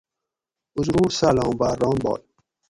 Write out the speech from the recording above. ازروٹ سالاں باۤر ران باگ